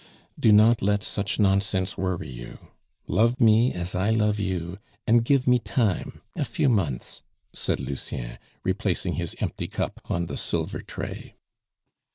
"Do not let such nonsense worry you; love me as I love you, and give me time a few months " said Lucien, replacing his empty cup on the silver tray.